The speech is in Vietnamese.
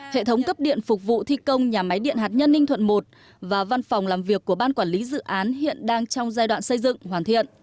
hệ thống cấp điện phục vụ thi công nhà máy điện hạt nhân ninh thuận một và văn phòng làm việc của ban quản lý dự án hiện đang trong giai đoạn xây dựng hoàn thiện